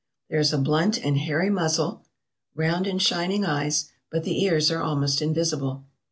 There is a blunt and hairy muzzle, round and shining eyes, but the ears are almost invisible.